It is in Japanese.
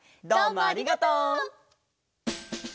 どうもありがとう！